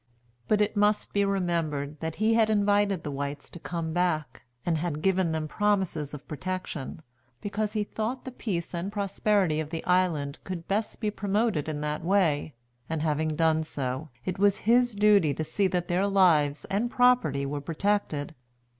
But it must be remembered that he had invited the whites to come back, and had given them promises of protection, because he thought the peace and prosperity of the island could best be promoted in that way; and having done so, it was his duty to see that their lives and property were protected.